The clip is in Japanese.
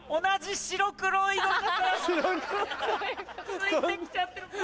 ・ついて来ちゃってる。